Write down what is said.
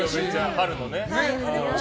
春のね。